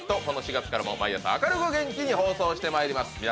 この４月からも毎朝明るく元気に放送してまいります